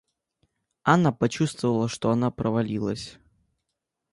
Анна почувствовала, что она провалилась.